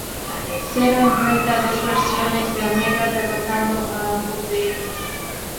Zero enfrenta a dos versiones de Omega, derrotando a ambos de ellos.